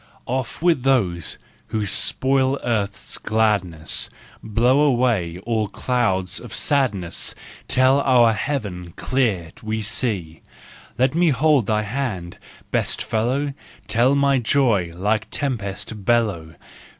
Off with those who spoil earth's gladness, Blow away all clouds of sadness, Till our heaven clear we see; Let me hold thy hand, best fellow, Till my joy like tempest bellow!